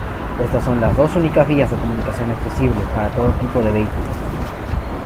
Estas son las dos únicas vías de comunicación accesible para todo tipo de vehículos.